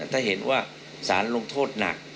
ถ้าเห็นว่าสารลงโทษหนัก